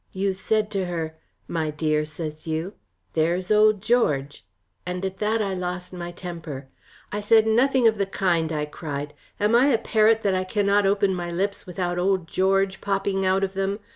"You said to her, 'My dear,' says you, 'there's old George,'" and at that I lost my temper. "I said nothing of the kind," I cried. "Am I a parrot that I cannot open my lips without old George popping out of them?